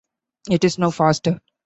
It is now faster.